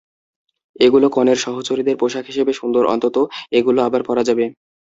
এগুলো কনের সহচরীদের পোশাক হিসেবে সুন্দর অন্তত এগুলো আবার পরা যাবে।